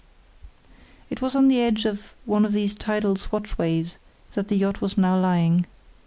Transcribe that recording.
It was on the edge of one of these tidal swatchways that the yacht was now lying.